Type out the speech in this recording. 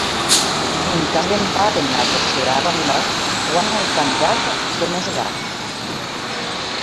En cas d'empat en la tercera ronda, guanya el candidat de més edat.